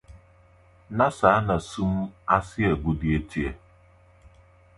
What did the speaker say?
Na saa na sum ase aguadi te.